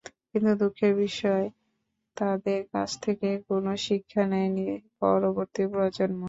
কিন্তু দুঃখের বিষয়, তাঁদের কাছ থেকে কোনো শিক্ষা নেয়নি পরবর্তী প্রজন্ম।